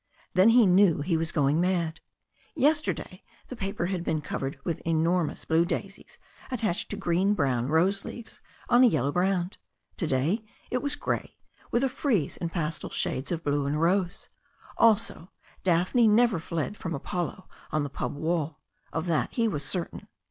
Then he knew he was going mad. Yesterday the paper had been covered with enormous blue daisies attached to greeny brown rose leaves on a yellow ground ; to day it was grey, with a frieze in pastel shades of blue and rose. Also, Daphne never fled from Apollo on the pub wall. Of that he was certain.